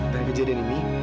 dan kejadian ini